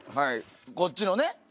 こっちのね。